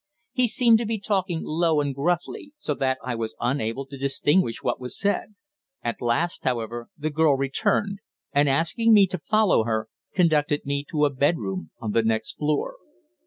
He seemed to be talking low and gruffly, so that I was unable to distinguish what was said. At last, however, the girl returned, and, asking me to follow her, conducted me to a bedroom on the next floor.